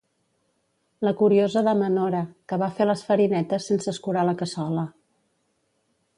La curiosa de ma nora, que va fer les farinetes sense escurar la cassola.